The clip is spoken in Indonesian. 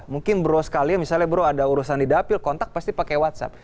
mungkin bro sekalian misalnya bro ada urusan di dapil kontak pasti pakai whatsapp